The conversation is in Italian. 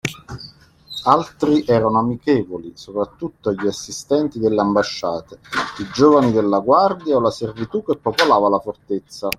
Altri erano amichevoli, soprattutto gli assistenti delle ambasciate, i giovani della guardia o la servitù che popolava la fortezza.